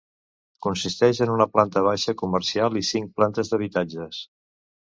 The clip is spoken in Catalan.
Consisteix en una planta baixa comercial i cinc plantes d'habitatges.